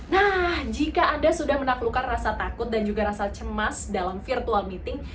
nah jika anda sudah menaklukkan rasa takut dan juga rasa cemas dalam virtual meeting